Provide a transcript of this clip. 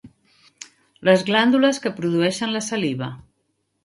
Les glàndules que produeixen la saliva.